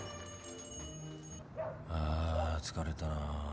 あ疲れたなぁ。